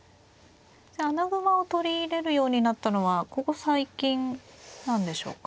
穴熊を取り入れるようになったのはここ最近なんでしょうか。